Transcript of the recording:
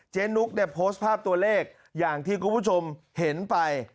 นุ๊กเนี่ยโพสต์ภาพตัวเลขอย่างที่คุณผู้ชมเห็นไป